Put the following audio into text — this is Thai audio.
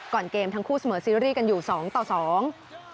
เกมทั้งคู่เสมอซีรีส์กันอยู่สองต่อสอง